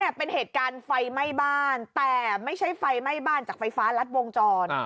เป็นเหตุการณ์ไฟไหม้บ้านแต่ไม่ใช่ไฟไหม้บ้านจากไฟฟ้ารัดวงจร